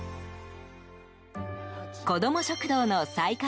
こども食堂の再開